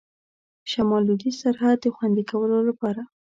د شمال لوېدیځ سرحد د خوندي کولو لپاره.